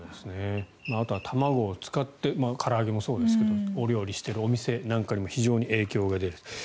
あとは卵を使って唐揚げもそうですがお料理してるお店なんかにも影響が出る。